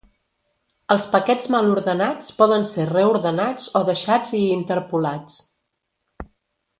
Els paquets mal ordenats poden ser reordenats o deixats i interpolats.